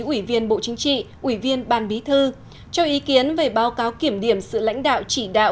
ủy viên bộ chính trị ủy viên ban bí thư cho ý kiến về báo cáo kiểm điểm sự lãnh đạo chỉ đạo